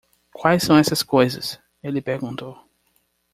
"Quais são essas coisas?", ele perguntou.